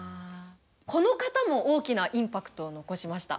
この方も大きなインパクトを残しました。